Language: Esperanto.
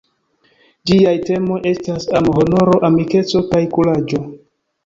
Ĝiaj temoj estas amo, honoro, amikeco kaj kuraĝo.